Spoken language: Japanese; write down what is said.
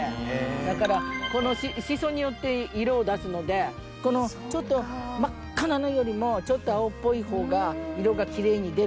だからこの紫蘇によって色を出すのでこのちょっと真っ赤なのよりもちょっと青っぽい方が色がきれいに出る。